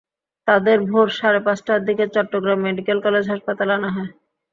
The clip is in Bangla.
তাঁদের ভোর সাড়ে পাঁচটার দিকে চট্টগ্রাম মেডিকেল কলেজ হাসপাতালে আনা হয়।